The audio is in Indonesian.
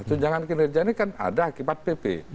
tunjangan kinerja ini kan ada akibat pp